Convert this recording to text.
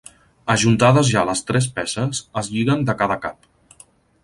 Ajuntades ja les tres peces, es lliguen de cada cap.